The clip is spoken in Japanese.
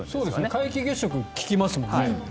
皆既月食聞きますもんね。